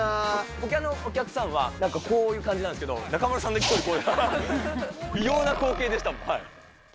ほかのお客さんは、なんか、こういう感じなんですけど、中丸さんだけ、１人こうやって、異様な光景でしたもん。